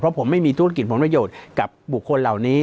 ผมไม่มีธุรกิจผลประโยชน์กับบุคคลเหล่านี้